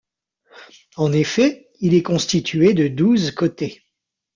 En effet, il est constitué de douze côtés.